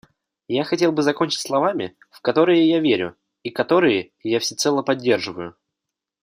Я хотел бы закончить словами, в которые я верю и которые я всецело поддерживаю.